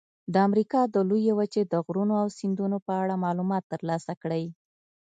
د امریکا د لویې وچې د غرونو او سیندونو په اړه معلومات ترلاسه کړئ.